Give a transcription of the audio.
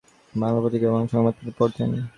তিনি বাংলা পত্রিকা এবং সংবাদপত্র পড়তেন।